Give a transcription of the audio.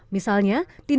misalnya tindakan menengahkan